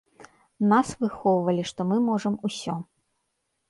Нас выхоўвалі, што мы можам усё.